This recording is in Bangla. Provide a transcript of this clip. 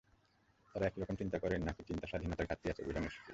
তাঁরা একই রকম চিন্তা করেন, নাকি চিন্তার স্বাধীনতার ঘাটতি আছে, বোঝা মুশকিল।